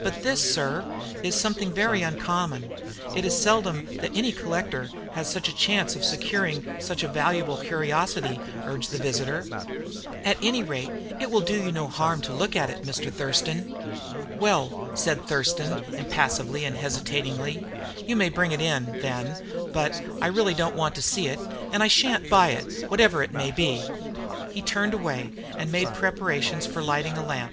"But this, sir, is something very uncommon. It is seldom that any collector has such a chance of securing such a valuable curiosity," urged the visitor. "At any rate it will do you no harm to look at it, Mr. Thurston." "Well," said Thurston, impassively and hesitatingly, "you may bring it in, then, but I really don't want to see it, and I shan't buy it, whatever it may be." He turned away, and made preparations for lighting a lamp.